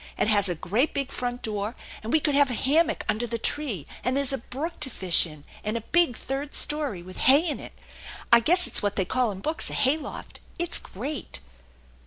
It has a great big front door, and we could have a hammock under the tree; and there's a brook to fish in, and a big third story with hay in it. I guess it's what they call in books a hay loft. If s great."